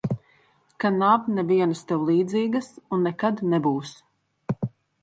Ka nav nevienas tev līdzīgas un nekad nebūs.